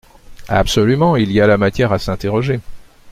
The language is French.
Absolument ! Il y a là matière à s’interroger.